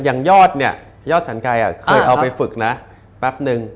ยังยอดเนี่ยยอดสันกายค่ะเคยเอาไปฝึกนะแป๊บหนึ่ง